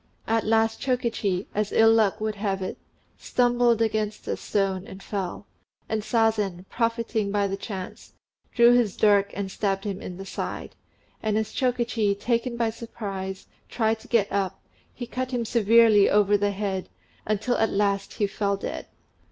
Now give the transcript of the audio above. At last Chokichi, as ill luck would have it, stumbled against a stone and fell; and Sazen, profiting by the chance, drew his dirk and stabbed him in the side; and as Chokichi, taken by surprise, tried to get up, he cut him severely over the head, until at last he fell dead.